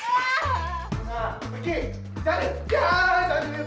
juragan aku juragan aku juragan